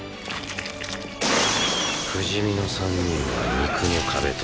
不死身の３人は肉の壁となった。